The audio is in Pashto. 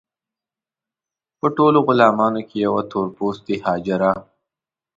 په ټولو غلامانو کې یوه تور پوستې حاجره.